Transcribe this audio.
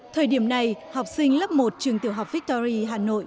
thời điểm này học sinh lớp một trường tiểu học victory hà nội